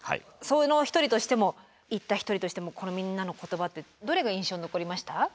その一人としても行った一人としてもこのみんなの言葉ってどれが印象に残りました？